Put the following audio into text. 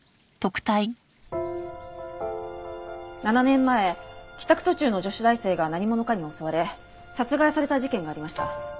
７年前帰宅途中の女子大生が何者かに襲われ殺害された事件がありました。